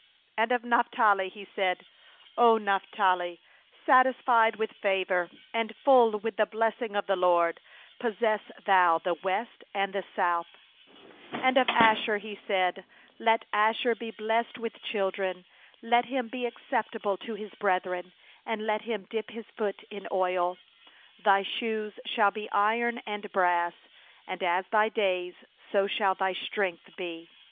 23And of Naphtali he said: O Naphtali, satisfied with favour, And full with the blessing of the LORD: Possess thou the sea and the south. 24And of Asher he said: Blessed be Asher above sons; Let him be the favoured of his brethren, And let him dip his foot in oil. 25Iron and brass shall be thy bars; And as thy days, so shall thy strength be.